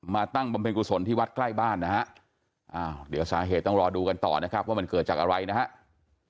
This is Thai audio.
ตั้งบำเพ็ญกุศลที่วัดใกล้บ้านนะฮะอ้าวเดี๋ยวสาเหตุต้องรอดูกันต่อนะครับว่ามันเกิดจากอะไรนะครับ